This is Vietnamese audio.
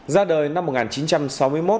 ra đời năm một nghìn chín trăm sáu mươi một